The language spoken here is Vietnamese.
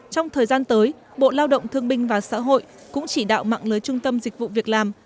trong thời gian tới bộ lao động thương binh và xã hội cũng chỉ đạo mạng lưới trung tâm dịch vụ việc làm